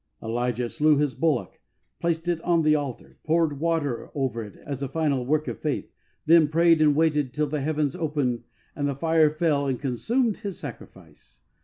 Elijah slew his bullock, placed it on the altar, poured water over it as a final work of faith, then prayed and waited till the heavens opened and fire fell and consumed his sacrifice.